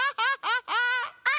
あっ！